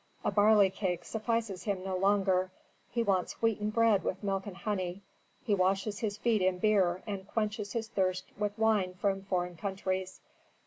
A barley cake suffices him no longer: he wants wheaten bread with milk and honey; he washes his feet in beer and quenches his thirst with wine from foreign countries.